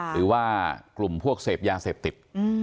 หรือว่ากลุ่มพวกเสพยาเสพติด